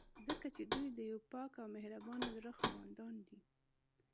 ځکه چې دوی د یو پاک او مهربانه زړه خاوندان دي.